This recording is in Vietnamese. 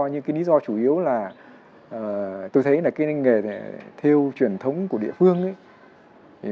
những cái lý do chủ yếu là tôi thấy là cái nghề theo truyền thống của địa phương ấy